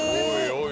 おい